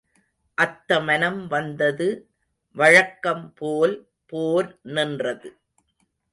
அத்தமனம் வந்தது வழக்கம் போல் போர் நின்றது.